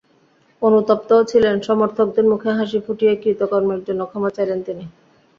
অনুতপ্তও ছিলেন, সমর্থকদের মুখে হাসি ফুটিয়েই কৃতকর্মের জন্য ক্ষমা চাইলেন তিনি।